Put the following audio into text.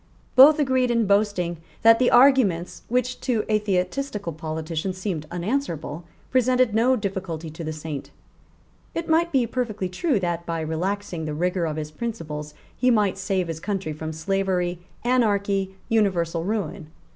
Both agreed in boasting that the arguments which to atheistical politicians seemed unanswerable presented no difficulty to the Saint. It might be perfectly true that, by relaxing the rigour of his principles, he might save his country from slavery, anarchy, universal ruin.